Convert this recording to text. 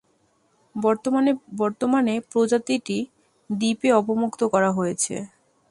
বর্তমানে প্রজাতিটি দ্বীপে অবমুক্ত করা হয়েছে।